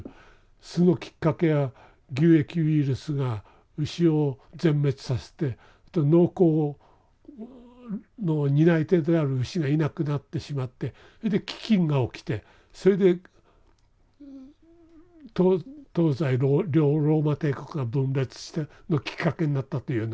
そのきっかけは牛疫ウイルスが牛を全滅さして農耕の担い手である牛がいなくなってしまってそれで飢きんが起きてそれで東西ローマ帝国が分裂したきっかけになったというふうな。